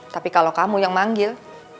tapi kalau kamu yang manggil